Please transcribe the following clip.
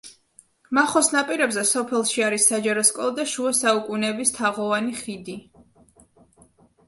მახოს ნაპირებზე, სოფელში არის საჯარო სკოლა და შუა საუკუნეების თაღოვანი ხიდი.